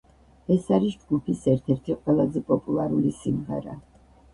ეს არის ჯგუფის ერთ-ერთი ყველაზე პოპულარული სიმღერა.